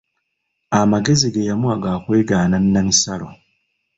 Amagezi ge yamuwa ga kweganga n'amisalo.